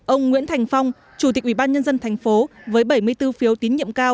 ông nguyễn thành phong chủ tịch ủy ban nhân dân thành phố với bảy mươi bốn phiếu tín nhiệm cao